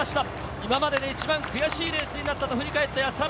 今までで一番悔しいレースになったと振り返った安原。